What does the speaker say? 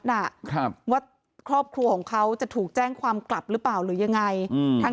ว่าครอบครัวของเขาจะถูกแจ้งตอนกลับหรือเปล่าหรืออย่างไร